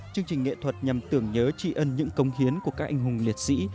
chương trình nghệ thuật nhằm tưởng nhớ tri ân những công hiến của các anh hùng liệt sĩ